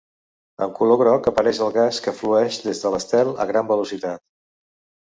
En color groc apareix el gas que flueix des de l'estel a gran velocitat.